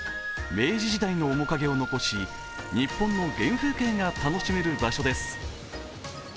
明治時代の面影を残し日本の原風景が楽しめる場所です。